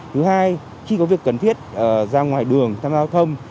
thứ hai khi có việc cần thiết ra ngoài đường tham gia giao thông